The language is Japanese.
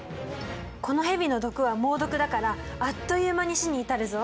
この蛇の毒は猛毒だからあっという間に死に至るぞ。